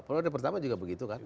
periode pertama juga begitu kan